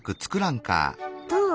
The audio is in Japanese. どう？